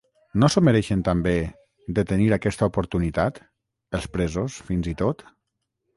No s’ho mereixen també, de tenir aquesta oportunitat, els presos, fins i tot?